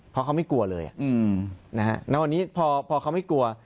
เพราะเขาไม่กลัวเลยนะฮะณวันนี้พอเขาไม่กลัว